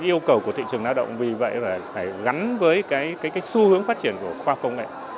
yêu cầu của thị trường lao động vì vậy phải gắn với cái xu hướng phát triển của khoa công nghệ